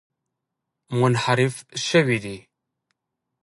منحرف شوي دي.